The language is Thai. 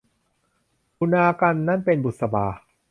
อุณากรรณนั้นเป็นบุษบา